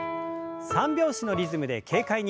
３拍子のリズムで軽快に。